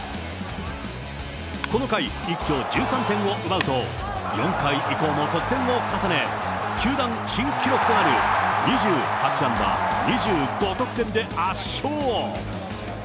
この回一挙１３点を奪うと、４回以降も得点を重ね、球団新記録となる２８安打２５得点で圧勝。